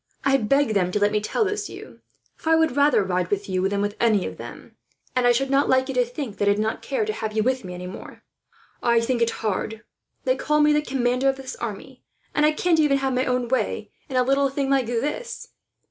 I begged them to let me tell you this, for I would rather ride with you than with any of them; and I should not like you to think that I did not care to have you with me, any more. "I think it hard. They call me the commander of this army, and I can't have my own way even in a little thing like this.